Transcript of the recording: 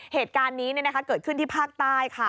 เหตุการณ์นี้เกิดขึ้นที่ภาคใต้ค่ะ